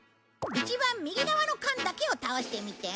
一番右側の缶だけを倒してみて。